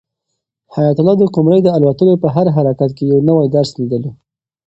حیات الله د قمرۍ د الوتلو په هر حرکت کې یو نوی درس لیدلو.